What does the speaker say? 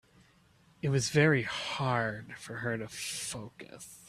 It was very hard for her to focus.